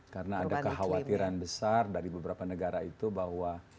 karena ada kekhawatiran besar dari beberapa negara itu bahwa